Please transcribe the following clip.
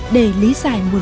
để lý giải nguồn quốc